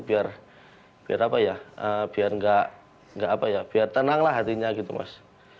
biar apa ya biar nggak apa ya biar tenanglah hatinya gitu mas